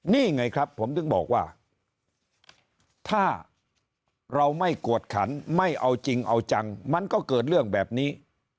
นี่ไงครับผมถึงบอกว่าถ้าเราไม่กวดขันไม่เอาจริงเอาจังมันก็เกิดเรื่องแบบนี้